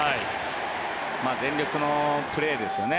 全力のプレーですよね。